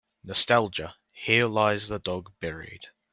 Nostalgia Here lies the dog buried.